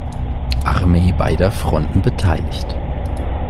Armee beider Fronten beteiligt.